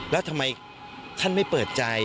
แล้วทำไมท่านไม่เปิดใจ